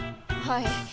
はい。